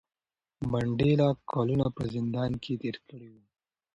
منډېلا کلونه په زندان کې تېر کړي وو.